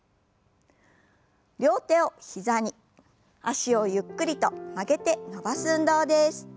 両手を膝に脚をゆっくりと曲げて伸ばす運動です。